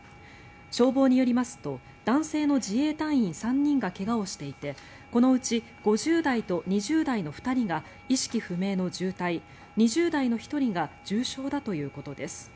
消防によりますと男性の自衛隊員３人が怪我をしていてこのうち５０代と２０代の２人が意識不明の重体２０代の１人が重傷だということです。